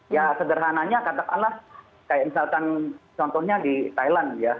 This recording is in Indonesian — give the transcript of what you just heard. ya sederhananya katakanlah kayak misalkan contohnya di thailand ya